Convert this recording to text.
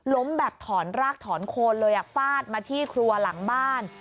แบบถอนรากถอนโคนเลยฟาดมาที่ครัวหลังบ้าน